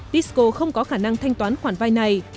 tisco không có khả năng thanh toán khoản vay này